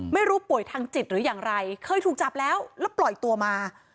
ป่วยทางจิตหรืออย่างไรเคยถูกจับแล้วแล้วปล่อยตัวมา